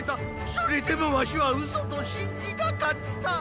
それでもわしはうそと信じたかった。